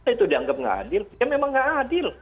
itu dianggap nggak adil ya memang nggak adil